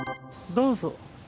どうぞ。